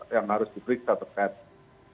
yang harus diberi status ad